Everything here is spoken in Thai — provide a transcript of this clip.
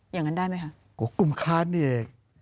ยังงั้นได้ไหมค่ะกลุ่มค้านนี่